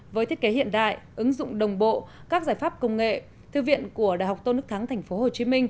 với thiết kế hiện đại ứng dụng đồng bộ các giải pháp công nghệ thư viện của đại học tôn đức thắng tp hcm